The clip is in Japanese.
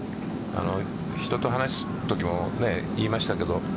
人と話すときも言いましたけど。